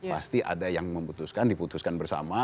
pasti ada yang memutuskan diputuskan bersama